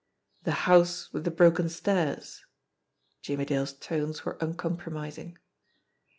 "The house with the broken stairs." Jimmie Dale's tones were uncompromising.